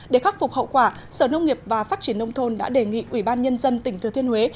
để khắc phục hậu quả sở nông nghiệp và phát triển nông thôn đã đề nghị ủy ban nhân dân tỉnh thừa thiên huế